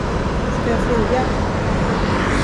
Ska jag flyga?